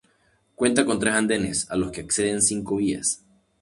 Cuenta con tres andenes, a los que acceden cinco vías.